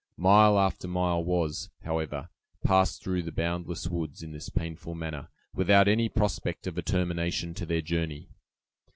Mile after mile was, however, passed through the boundless woods, in this painful manner, without any prospect of a termination to their journey.